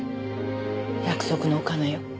約束のお金よ。